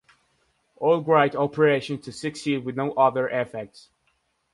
All write operations to succeed with no other effects.